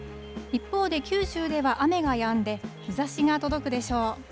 一方で九州では雨がやんで、日ざしが届くでしょう。